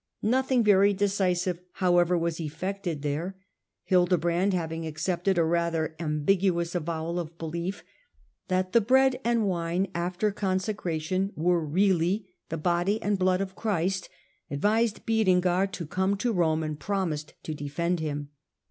Nothing very decisive, however, was effected there. Hildebrand having accepted a rather ambiguous avowal of belief that the bread and wine after consecration were really the body and blood of Christ, advised Berengar to come to Rome, and promised to defend him.